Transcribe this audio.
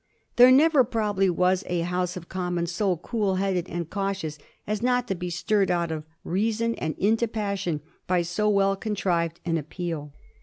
There never, probably, was a House of Commons so cool headed and cautious as not to be stirred out of reason and into passion by so well contrived an appeal.